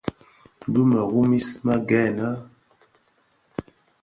Bi mëru mis më gènè.